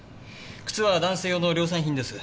靴は男性用の量産品です。